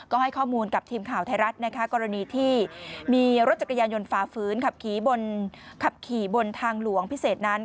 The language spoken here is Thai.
ก็ให้ข้อมูลกับทีมข่าวไทยรัฐนะคะกรณีที่มีรถจักรยานยนต์ฝ่าฝืนขับขี่ขับขี่บนทางหลวงพิเศษนั้น